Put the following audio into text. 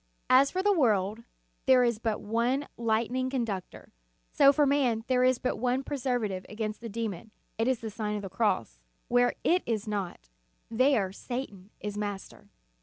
As for the world there is but one lightning con ductor, so for man there is but one preserva tive against the demon, it is the Sign of o o the Cross. Where it is not, there Satan is master.